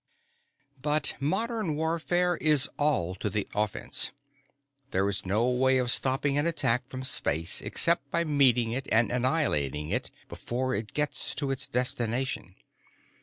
But modern warfare is all to the offense. There is no way of stopping an attack from space except by meeting it and annihilating it before it gets to its destination.